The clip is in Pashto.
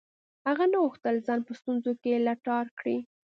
هغه نه غوښتل ځان په ستونزو کې لتاړ کړي.